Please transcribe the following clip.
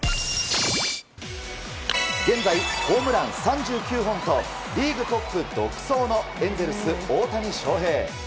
現在、ホームラン３９本とリーグトップ独走のエンゼルス大谷翔平。